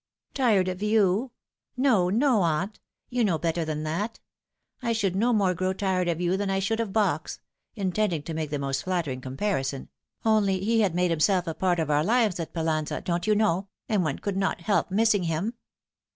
" Tired of you ? No, no, aunt. You know better than that. I should no more grow tired of you than I should of Box," in tending to make the most flattering comparison ;" only he had made himself a part of our lives at Pallanza, don't you know, nnd one could not help missing him."